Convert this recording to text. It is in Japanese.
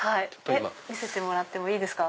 見せてもらってもいいですか？